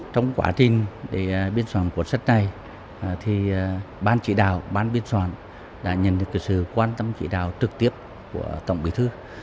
trong quá trình biên soạn cuốn sách này thì ban chỉ đạo ban biên soạn đã nhận được sự quan tâm chỉ đạo trực tiếp của tổng bí thư